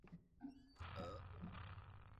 Menya viazi lishe vyako